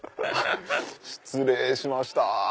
失礼しました。